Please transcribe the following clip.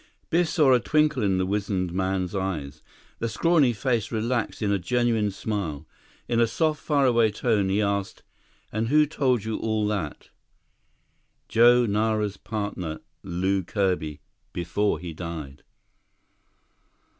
Biff saw a twinkle in the wizened man's eyes. The scrawny face relaxed in a genuine smile. In a soft, faraway tone, he asked, "And who told you all that?" "Joe Nara's partner, Lew Kirby, before he died."